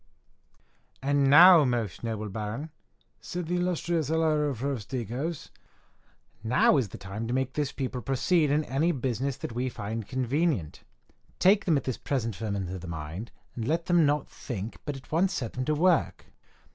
_ "And now, most noble Baron," said the illustrious Hilaro Frosticos, "now is the time to make this people proceed in any business that we find convenient. Take them at this present ferment of the mind, let them not think, but at once set them to work."